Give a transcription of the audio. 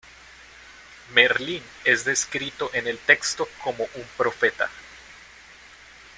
Merlín es descrito en el texto como un profeta.